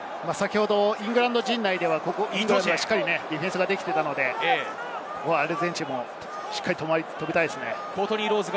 イングランド陣内ではしっかりディフェンスができていたので、アルゼンチンしっかり取りたいですね。